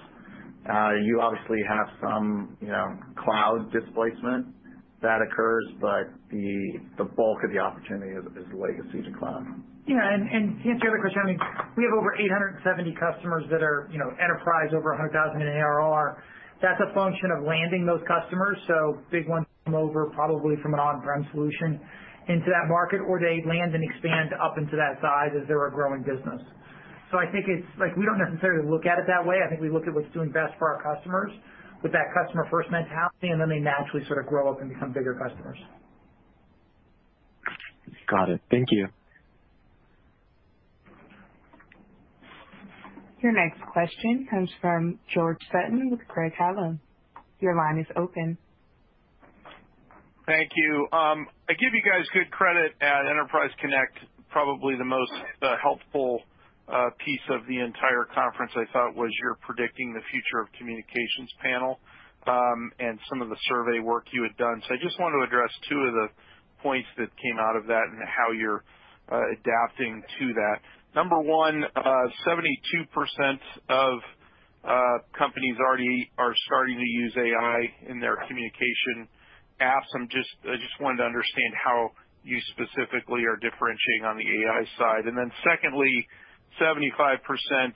You obviously have some, you know, cloud displacement that occurs, but the bulk of the opportunity is legacy to cloud. Yeah, to answer your other question, I mean, we have over 870 customers that are, you know, enterprise over $100,000 in ARR. That's a function of landing those customers. Big ones come over probably from an on-prem solution into that market, or they land and expand up into that size as they're a growing business. I think it's like we don't necessarily look at it that way. I think we look at what's doing best for our customers with that customer-first mentality, and then they naturally sort of grow up and become bigger customers. Got it. Thank you. Your next question comes from George Sutton with Craig-Hallum. Your line is open. Thank you. I give you guys good credit at Enterprise Connect. Probably the most helpful piece of the entire conference, I thought was your predicting The 8x8 Future of Communications panel and some of the survey work you had done. I just wanted to address two of the points that came out of that and how you're adapting to that. Number one, 72% of companies already are starting to use AI in their communication apps. I just wanted to understand how you specifically are differentiating on the AI side. Secondly, 75%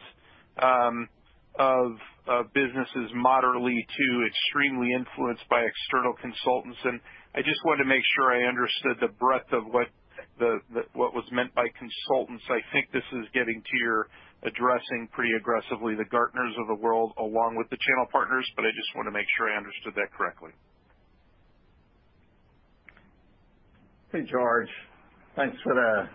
of business is moderately to extremely influenced by external consultants. I just wanted to make sure I understood the breadth of what was meant by consultants. I think this is getting to your addressing pretty aggressively, the Gartner's of the world along with the channel partners, but I just wanna make sure I understood that correctly. Hey, George. Thanks for the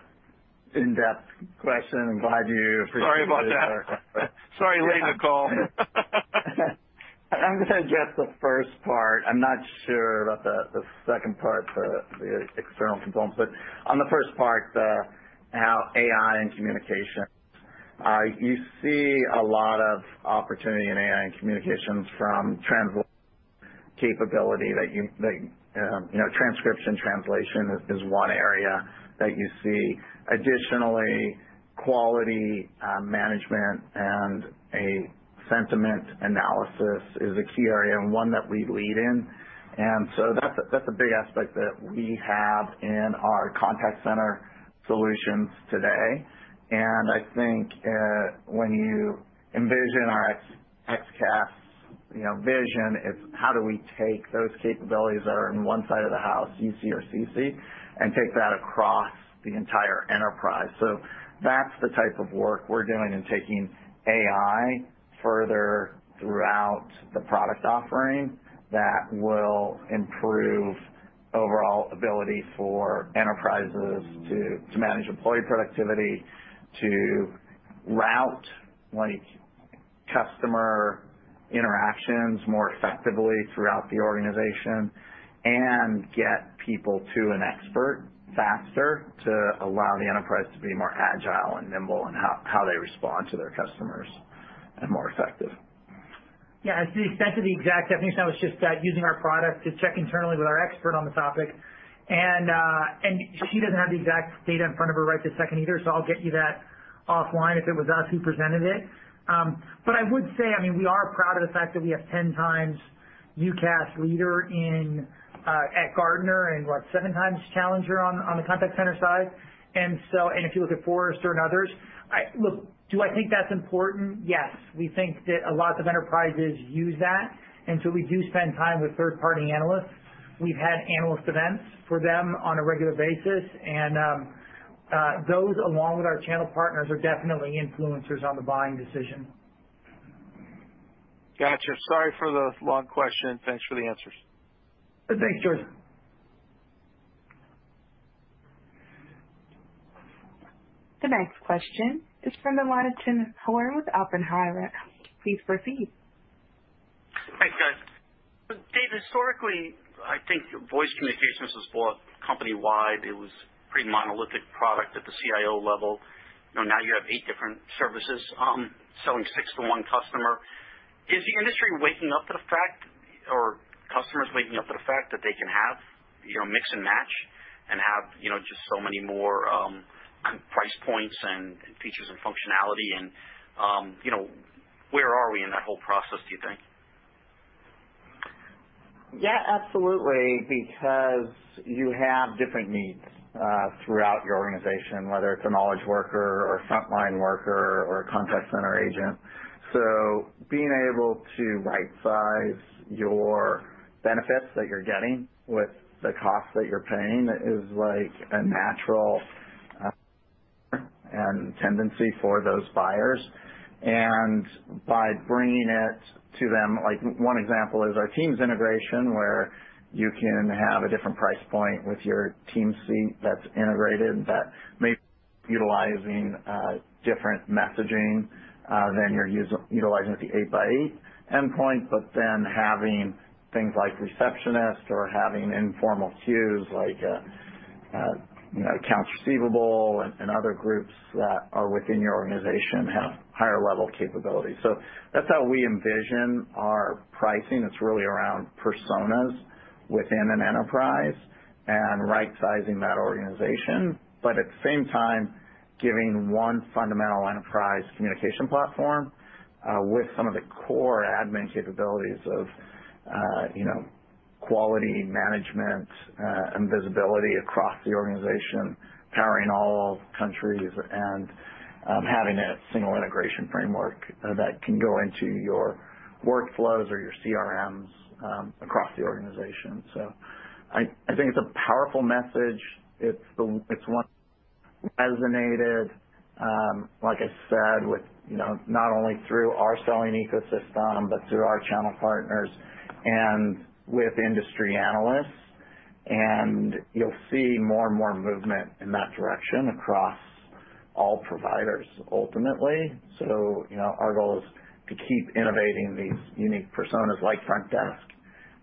in-depth question. I'm glad you appreciate it. Sorry about that. Sorry to leave the call. I'm gonna address the first part. I'm not sure about the second part for the external consultants. On the first part, you see a lot of opportunity in AI and communications from transcription and translation capability that you know is one area that you see. Additionally, quality management and sentiment analysis is a key area and one that we lead in. That's a big aspect that we have in our contact center solutions today. I think when you envision our XCaaS vision, it's how do we take those capabilities that are in one side of the house, UC or CC, and take that across the entire enterprise. That's the type of work we're doing in taking AI further throughout the product offering that will improve overall ability for enterprises to manage employee productivity, to route like customer interactions more effectively throughout the organization and get people to an expert faster to allow the enterprise to be more agile and nimble in how they respond to their customers and more effective. Yeah. That's essentially the exact definition. I was just using our product to check internally with our expert on the topic. She doesn't have the exact data in front of her right this second either, so I'll get you that offline if it was us who presented it. But I would say, I mean, we are proud of the fact that we have 10 times UCaaS leader at Gartner and, what, seven times challenger on the contact center side. If you look at Forrester and others. Look, do I think that's important? Yes. We think that lots of enterprises use that, and so we do spend time with third-party analysts. We've had analyst events for them on a regular basis, and those along with our channel partners are definitely influencers on the buying decision. Got you. Sorry for the long question, and thanks for the answers. Thanks, George. The next question is from the line of Tim Horan with Oppenheimer. Please proceed. Thanks, guys. Dave, historically, I think voice communications was bought company-wide. It was pretty monolithic product at the CIO level. You know, now you have eight different services, selling six to one customer. Is the industry waking up to the fact or customers waking up to the fact that they can have, you know, mix and match and have, you know, just so many more, price points and features and functionality and, you know, where are we in that whole process, do you think? Yeah, absolutely, because you have different needs throughout your organization, whether it's a knowledge worker or a frontline worker or a contact center agent. Being able to right-size your benefits that you're getting with the cost that you're paying is like a natural tendency for those buyers. By bringing it to them, like one example is our Teams integration, where you can have a different price point with your Teams seat that's integrated that may utilizing different messaging than you're utilizing at the 8x8 endpoint, but then having things like receptionist or having informal queues like you know, accounts receivable and other groups that are within your organization have higher level capabilities. That's how we envision our pricing. It's really around personas within an enterprise and right-sizing that organization, but at the same time, giving one fundamental enterprise communication platform, with some of the core admin capabilities of, you know, quality management, and visibility across the organization, powering all countries and, having a single integration framework that can go into your workflows or your CRMs, across the organization. I think it's a powerful message. It's one that resonated, like I said, with, you know, not only through our selling ecosystem, but through our channel partners and with industry analysts. You'll see more and more movement in that direction across all providers ultimately. You know, our goal is to keep innovating these unique personas like Frontdesk,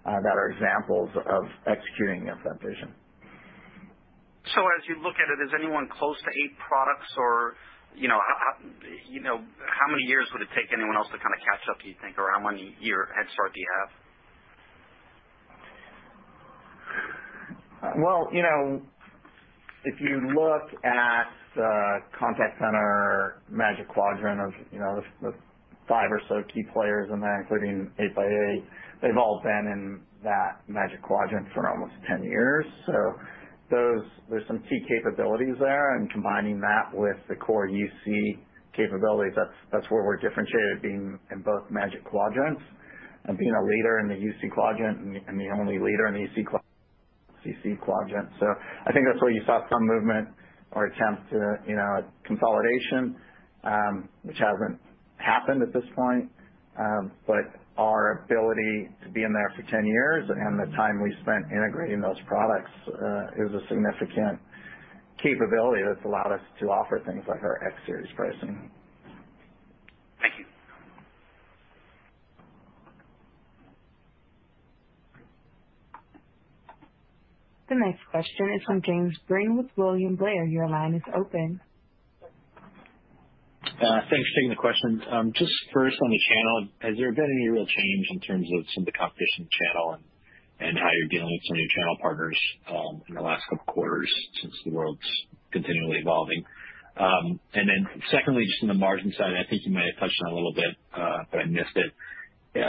that are examples of execution of that vision. As you look at it, is anyone close to 8x8 products or, you know, how many years would it take anyone else to kind of catch up, do you think? Or how many year head start do you have? Well, you know, if you look at the contact center Magic Quadrant of, you know, the five or so key players in there, including 8x8, they've all been in that Magic Quadrant for almost 10 years. Those, there's some key capabilities there. Combining that with the core UC capabilities, that's where we're differentiated, being in both Magic Quadrants and being a leader in the UC quadrant and the only leader in the CC quadrant. I think that's why you saw some movement or attempt at, you know, consolidation, which hasn't happened at this point. Our ability to be in there for 10 years and the time we spent integrating those products is a significant capability that's allowed us to offer things like our X Series pricing. Thank you. The next question is from Jim Breen with William Blair. Your line is open. Thanks for taking the questions. Just first on the channel, has there been any real change in terms of some of the competitive channel and how you're dealing with some of your channel partners in the last couple of quarters since the world's continually evolving? Then secondly, just on the margin side, I think you might have touched on it a little bit, but I missed it. You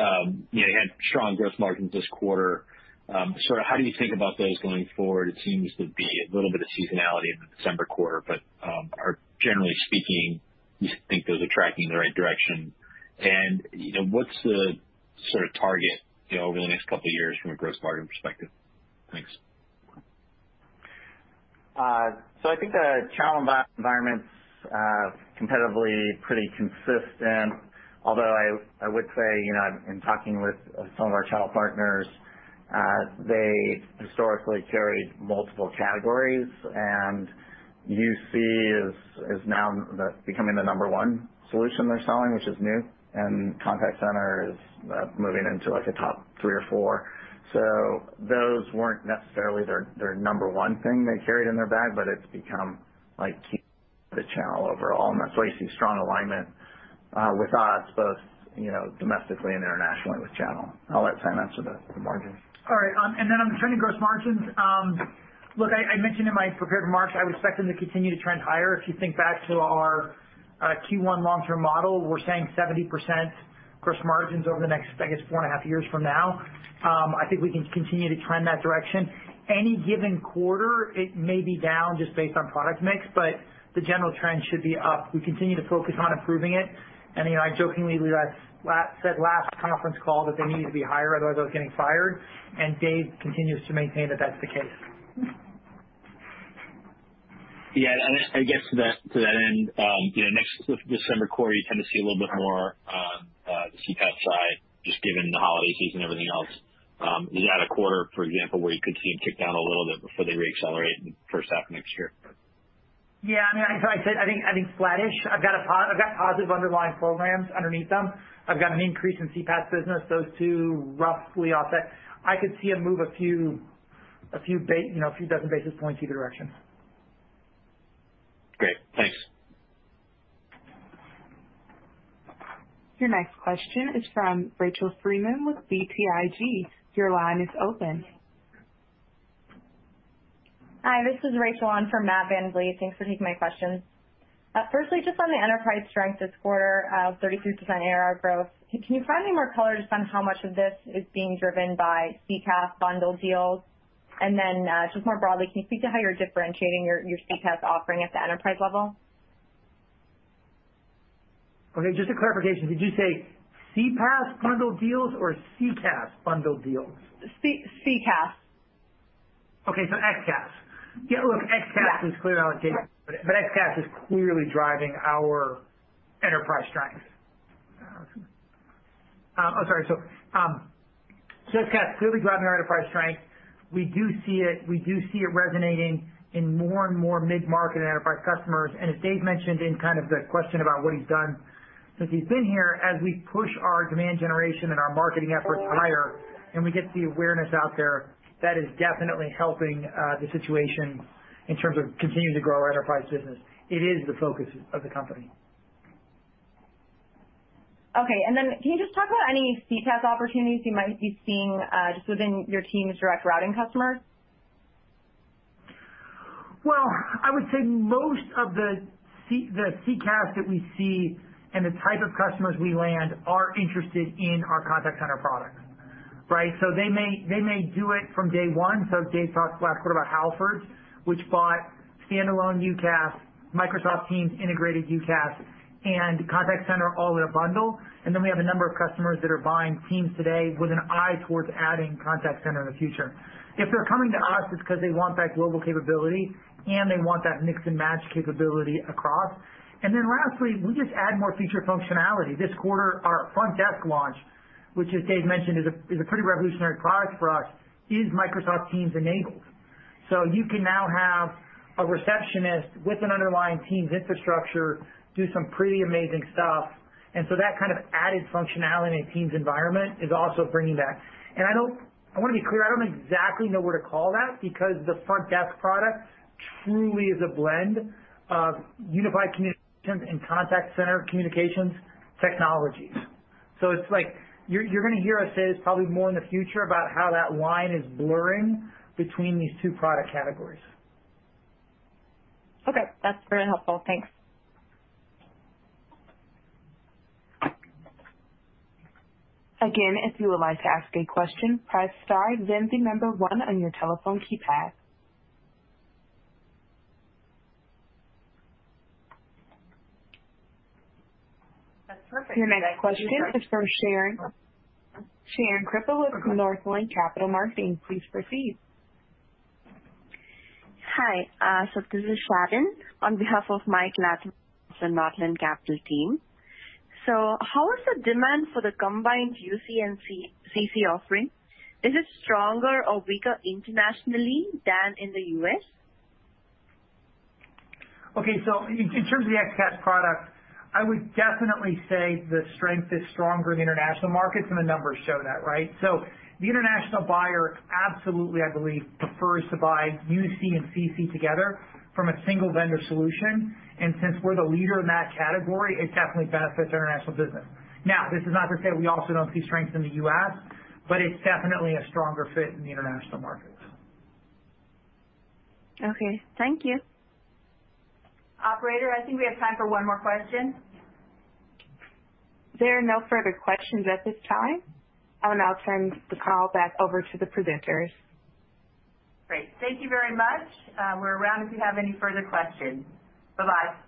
know, you had strong gross margins this quarter. Sort of how do you think about those going forward? It seems to be a little bit of seasonality in the December quarter, but generally speaking, you think those are tracking in the right direction. You know, what's the sort of target over the next couple of years from a gross margin perspective? Thanks. I think the channel and buy environment's competitively pretty consistent. Although I would say, you know, in talking with some of our channel partners, they historically carried multiple categories, and UC is now becoming the number one solution they're selling, which is new. Contact Center is moving into like a top three or four. Those weren't necessarily their number one thing they carried in their bag, but it's become like key to the channel overall. That's why you see strong alignment with us both, you know, domestically and internationally with channel. I'll let Samuel Wilson answer the margins. All right, on the trending gross margins, look, I mentioned in my prepared remarks I expect them to continue to trend higher. If you think back to our Q1 long-term model, we're saying 70% gross margins over the next, I guess, 4.5 years from now. I think we can continue to trend that direction. Any given quarter, it may be down just based on product mix, but the general trend should be up. We continue to focus on improving it, and you know, I jokingly said last conference call that they needed to be higher, otherwise I was getting fired, and Dave continues to maintain that that's the case. Yeah, I guess to that end, you know, this December quarter, you tend to see a little bit more CPaaS side just given the holiday season and everything else. Is that a quarter, for example, where you could see them tick down a little bit before they re-accelerate in the first half next year? Yeah, I mean, I said I think flattish. I've got positive underlying programs underneath them. I've got an increase in CPaaS business. Those two roughly offset. I could see a move a few you know, a few dozen basis points either direction. Great. Thanks. Your next question is from Rachel Freeman with BTIG. Your line is open. Hi, this is Rachel on for Matthew VanVliet. Thanks for taking my questions. Firstly, just on the enterprise strength this quarter, 33% ARR growth. Can you provide any more color just on how much of this is being driven by CPaaS bundle deals? Just more broadly, can you speak to how you're differentiating your CPaaS offering at the enterprise level? Okay, just a clarification. Did you say CPaaS bundle deals or CCaaS bundle deals? CcaaS. Okay, XCaaS. Yeah. Yeah, look, XCaaS is clearly driving our enterprise strength. We do see it resonating in more and more mid-market enterprise customers. As Dave mentioned in kind of the question about what he's done since he's been here, as we push our demand generation and our marketing efforts higher, and we get the awareness out there, that is definitely helping the situation in terms of continuing to grow our enterprise business. It is the focus of the company. Okay, can you just talk about any CCaaS opportunities you might be seeing, just within your team's direct routing customers? Well, I would say most of the CCaaS that we see and the type of customers we land are interested in our contact center products, right? They may do it from day one. Dave talked last quarter about Halfords, which bought standalone UCaaS, Microsoft Teams integrated UCaaS, and Contact Center all in a bundle. We have a number of customers that are buying Teams today with an eye towards adding Contact Center in the future. If they're coming to us, it's 'cause they want that global capability, and they want that mix and match capability across. Lastly, we just add more feature functionality. This quarter, our Frontdesk launch, which, as Dave mentioned, is a pretty revolutionary product for us, is Microsoft Teams enabled. You can now have a receptionist with an underlying Teams infrastructure do some pretty amazing stuff. That kind of added functionality in a Teams environment is also bringing that. I wanna be clear, I don't exactly know where to call that because the front desk product truly is a blend of unified communications and contact center communications technologies. It's like you're gonna hear us say this probably more in the future about how that line is blurring between these two product categories. Okay. That's very helpful. Thanks. Again, if you would like to ask a question, press star then one on your telephone keypad. That's perfect. Your next question is from [Sherry Kupolu] with Northland Capital Markets. Please proceed. Hi. This is [Sherry Kupolu] on behalf of [Michael Latimore] and Northland Capital Markets team. How is the demand for the combined UC + CC offering? Is it stronger or weaker internationally than in the U.S.? Okay. In terms of the XCaaS product, I would definitely say the strength is stronger in the international markets, and the numbers show that, right? The international buyer absolutely, I believe, prefers to buy UC + CC together from a single vendor solution. Since we're the leader in that category, it definitely benefits our international business. Now, this is not to say we also don't see strength in the U.S., but it's definitely a stronger fit in the international markets. Okay. Thank you. Operator, I think we have time for one more question. There are no further questions at this time. I will now turn the call back over to the presenters. Great. Thank you very much. We're around if you have any further questions. Bye-bye.